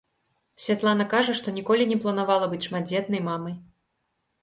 Святлана кажа, што ніколі не планавала быць шматдзетнай мамай.